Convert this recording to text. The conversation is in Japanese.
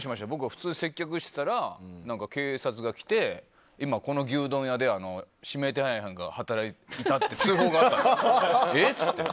普通に接客してたら警察が来て今、この牛丼屋で指名手配犯が働いていたって通報があったって。え！？って。